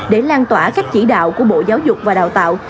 để lan tỏa các chỉ đạo của bộ giáo dục và đào tạo